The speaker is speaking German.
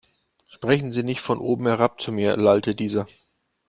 Sprechen Sie nicht von oben herab zu mir, lallte dieser.